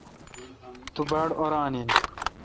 تو باڑ اوران این۔